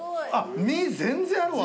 身全然あるわ。